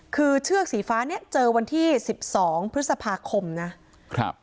คือเชือกสีฟ้านี้เจอวันที่๑๒พฤษภาคมนะ